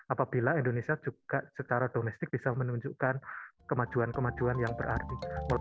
apabila indonesia juga secara domestik bisa menunjukkan kemajuan kemajuan yang berarti